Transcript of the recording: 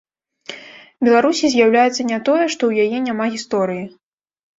Беларусі з'яўляецца не тое, што ў яе няма гісторыі.